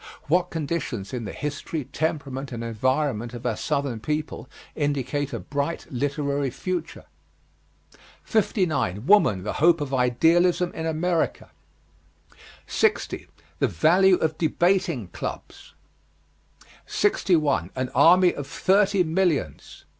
What conditions in the history, temperament and environment of our Southern people indicate a bright literary future. 59. WOMAN THE HOPE OF IDEALISM IN AMERICA. 60. THE VALUE OF DEBATING CLUBS. 61. AN ARMY OF THIRTY MILLIONS.